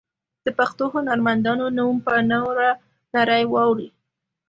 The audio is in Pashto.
د پښتو هنرمندانو نوم به نوره نړۍ واوري.